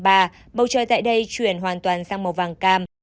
bầu trời tại đây chuyển hoàn toàn sang màu vàng cam